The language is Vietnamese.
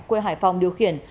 quê hải phòng điều khiển